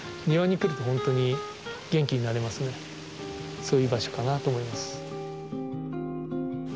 そういう場所かなと思います。